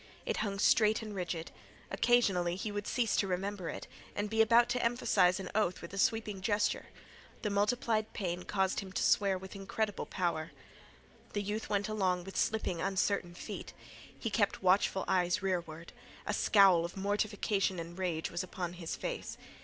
It hung straight and rigid. Occasionally he would cease to remember it, and be about to emphasize an oath with a sweeping gesture. The multiplied pain caused him to swear with incredible power. The youth went along with slipping uncertain feet. He kept watchful eyes rearward. A scowl of mortification and rage was upon his face.